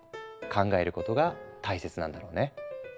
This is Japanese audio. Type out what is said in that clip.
考えることが大切なんだろうね。